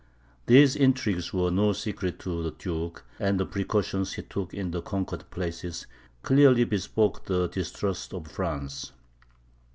These intrigues were no secret to the duke, and the precautions he took in the conquered places, clearly bespoke the distrust of France.